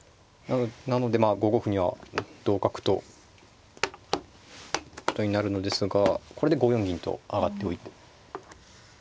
なのでまあ５五歩には同角と。になるのですがこれで５四銀と上がっておいて。